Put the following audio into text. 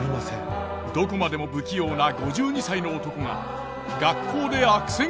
どこまでも不器用な５２歳の男が学校で悪戦苦闘。